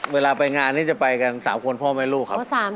เวลาไปงานนี้จะไปกัน๓คนพ่อแม่ลูกครับ